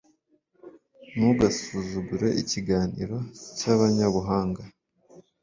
ntugasuzugure ikiganiro cy'abanyabuhanga